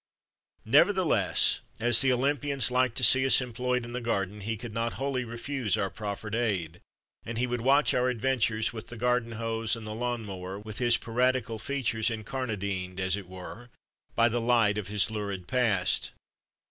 Nevertheless, as the Olympians liked to see us employed in the garden, he could not wholly refuse our proffered aid, and he would watch our adventures with the garden hose and the lawn mower, with his piratical features incarnadined, as it were, by the light of his lurid past.